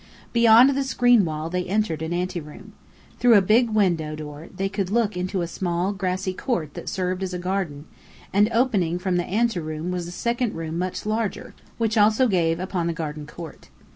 Beyond the screen wall they entered an anteroom. Through a big window door they could look into a small, grassy court that served as a garden: and opening from the anteroom was a second room much larger, which also gave upon the garden court.